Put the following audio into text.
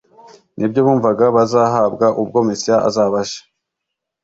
nibyo bumvaga bazahabwa ubwo Mesiya azaba aje.